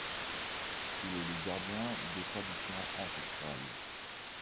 Il est le gardien des traditions ancestrales.